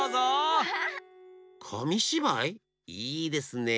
いいですねえ。